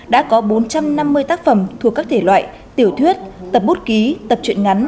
đã có bốn trăm năm mươi tác phẩm thuộc các thể loại tiểu thuyết tập bút ký tập truyện ngắn